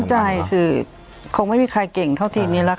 ใจคือคงไม่มีใครเก่งเท่าทีมนี้แล้วค่ะ